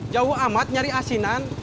jauh amat nyari asinan